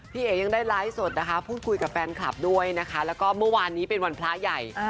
เอ๋ยังได้ไลฟ์สดนะคะพูดคุยกับแฟนคลับด้วยนะคะแล้วก็เมื่อวานนี้เป็นวันพระใหญ่